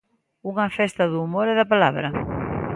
Unha festa do humor e da palabra.